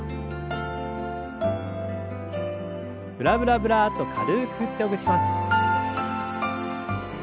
ブラブラブラッと軽く振ってほぐします。